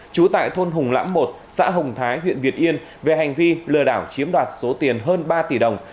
trú tại thôn hùng lãm một xã hồng thái huyện việt yên về hành vi lừa đảo chiếm đoạt số tiền hơn ba tỷ đồng